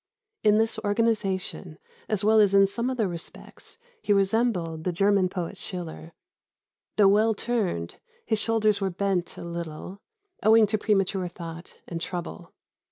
In this organisation, as well as in some other respects, he resembled the German poet Schiller. Though well turned, his shoulders were bent a little, owing to premature thought and trouble.